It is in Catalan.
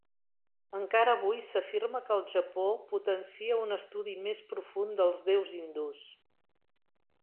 Encara avui, s'afirma que el Japó potencia un estudi més profund dels deus hindús.